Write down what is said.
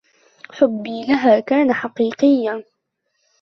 حبي لها كان حقيقياً.